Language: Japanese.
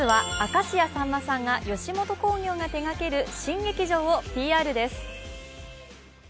まずは明石家さんまさんや吉本興業が手がける新劇場をＰＲです。